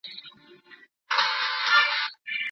افغانستان له نړیوالو شریکانو سره دوامداره اړیکې نه لري.